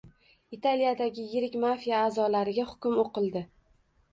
Italiyadagi yirik mafiya a’zolariga hukm o‘qilding